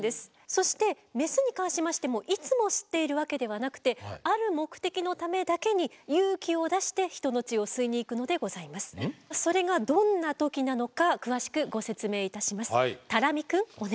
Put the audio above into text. そしてメスに関しましてもいつも吸っているわけではなくてそれがどんな時なのか詳しくご説明いたします。